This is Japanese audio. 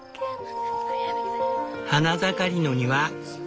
花盛りの庭。